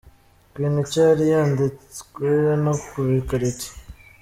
Queen Cha yari yanditswe no kubikarito.